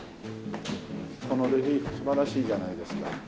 このレリーフ素晴らしいじゃないですか。